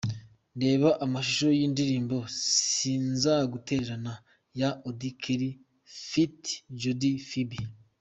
Reba amashusho y'indirimbo Sinzagutererana ya Audy Kelly ft Jody Phibi.